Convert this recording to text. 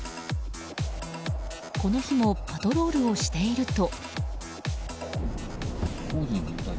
この日もパトロールをしていると。